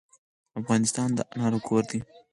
افغانستان د انارو کور دی.